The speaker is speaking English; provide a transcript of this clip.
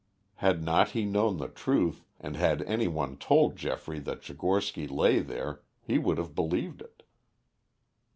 Had not he known the truth, and had any one told Geoffrey that Tchigorsky lay there, he would have believed it.